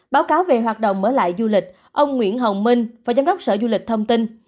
báo cáo về hoạt động mở lại du lịch ông nguyễn hồng minh phó giám đốc sở du lịch thông tin